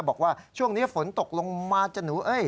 บอกว่าช่วงนี้ฝนตกลงมาจ้ะหนูเอ้ย